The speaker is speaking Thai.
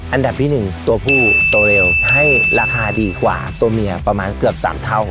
อันดับที่๑ตัวผู้ตัวเร็วให้ราคาดีกว่าตัวเมียประมาณเกือบ๓เท่า